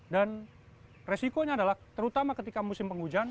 dan resikonya adalah terutama ketika musim pengolahan